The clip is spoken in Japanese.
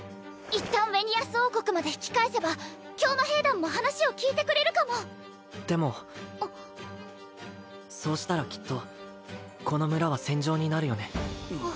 一旦ウェニアス王国まで引き返せば教魔兵団も話を聞いてくれるかもでもそうしたらきっとこの村は戦場になるよね